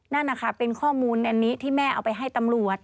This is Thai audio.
นั่นนะคะเป็นข้อมูลอันนี้ที่แม่เอาไปให้ตำรวจ